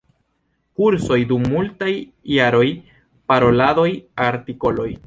Kursoj dum multaj jaroj, paroladoj, artikoloj.